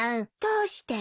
どうして？